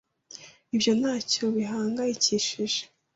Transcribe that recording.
Ibyo ntacyo bihangayikishije.